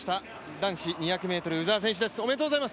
男子２００ｍの鵜澤選手です。